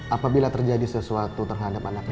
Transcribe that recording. apabila terjadi sesuatu terhadap anak ibu